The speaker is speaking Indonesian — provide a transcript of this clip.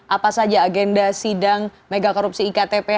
apa saja agenda sidang mega korupsi iktp